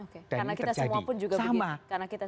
karena kita semua pun juga begitu